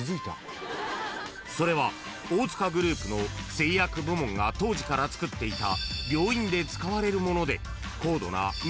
［それは大塚グループの製薬部門が当時からつくっていた］